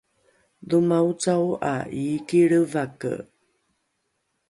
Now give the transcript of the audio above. dhoma ocao ’a iiki lrevake